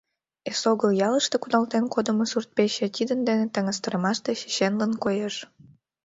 Эсогыл ялыште кудалтен кодымо сурт-пече тидын дене таҥастарымаште чеченлын коеш.